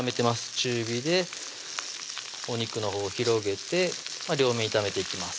中火でお肉のほう広げて両面炒めていきます